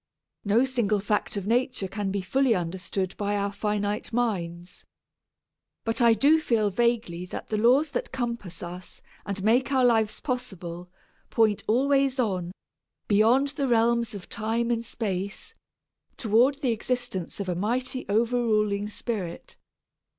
No single fact of nature can be fully understood by our finite minds. But I do feel vaguely that the laws that compass us, and make our lives possible, point always on "beyond the realms of time and space" toward the existence of a mighty overruling spirit.